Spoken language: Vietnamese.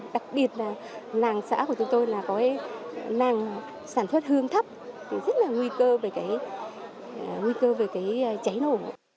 đặc biệt là làng xã của chúng tôi là có làng sản xuất hương thấp rất là nguy cơ về cháy nổ